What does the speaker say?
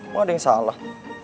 kok ada yang salah